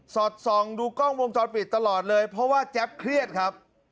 อดส่องดูกล้องวงจรปิดตลอดเลยเพราะว่าแจ๊บเครียดครับ